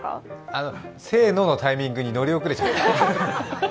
あのせーののタイミングに乗り遅れちゃった。